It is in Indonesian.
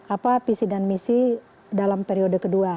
apa visi dan misi dalam periode kedua